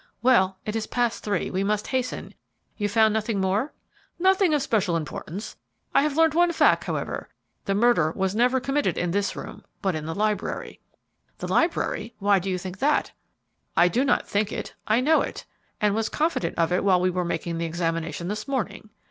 "Well, it is past three, we must hasten; you found nothing more?" "Nothing of special importance. I have learned one fact, however; the murder was never committed in this room, but in the library." "The library! Why do you think that?" "I do not think it, I know it, and was confident of it while we were making the examination this morning.